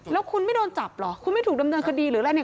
แล้วคุณไม่โดนจับเหรอคุณไม่ถูกดำเนินคดีหรืออะไรเนี่ย